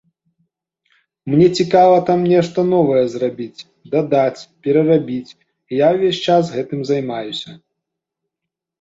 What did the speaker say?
Мне цікава там нешта новае зрабіць, дадаць, перарабіць, і я ўвесь час гэтым займаюся.